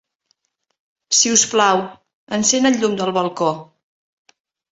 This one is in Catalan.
Si us plau, encén el llum del balcó.